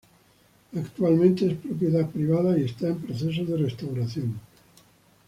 Actualmente es propiedad privada y está en proceso de restauración.